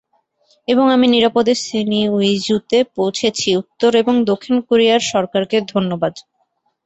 এবং আমি নিরাপদে সিনিউইজুতে পৌঁছেছি, উত্তর এবং দক্ষিণ কোরিয়ার সরকারকে ধন্যবাদ।